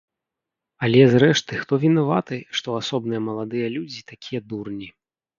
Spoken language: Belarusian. Але, зрэшты, хто вінаваты, што асобныя маладыя людзі такія дурні?